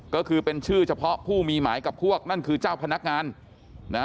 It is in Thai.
ก็คือเป็นชื่อเฉพาะผู้มีหมายกับพวกนั่นคือเจ้าพนักงานนะ